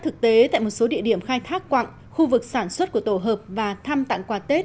thực tế tại một số địa điểm khai thác quặng khu vực sản xuất của tổ hợp và thăm tặng quà tết